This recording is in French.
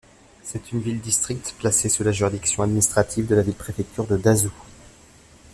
C'est une ville-district placée sous la juridiction administrative de la ville-préfecture de Dazhou.